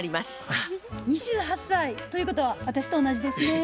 あっ２８歳。ということは私と同じですねぇ。